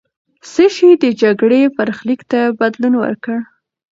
څه شی د جګړې برخلیک ته بدلون ورکړ؟